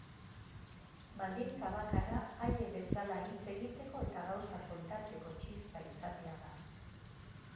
Baldintza bakarra, haiek bezala hitz egiteko eta gauzak kontatzeko txispa izatea da.